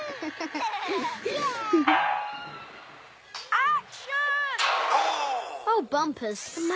あっ！